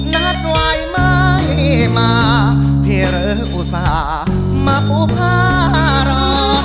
นัดไหวไม่มาพี่เริ่มอุตส่าห์มาปูภาระ